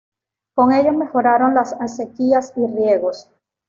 Con ello mejoraron las acequias y riegos.